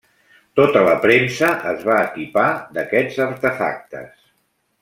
Tota la premsa es va equipar d'aquests artefactes.